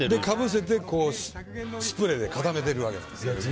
かぶせてスプレーで固めてるわけですよ。